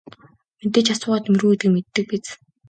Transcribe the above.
Мэдээж асуугаад нэмэргүй гэдгийг нь мэддэг биз.